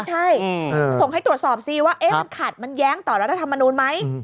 ใช่ส่งให้ตรวจสอบสิว่ามันขัดมันแย้งต่อรัฐธรรมนูลไหม